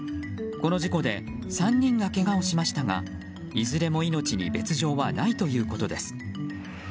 この事故で３人がけがをしましたがいずれも命に別条はないということです。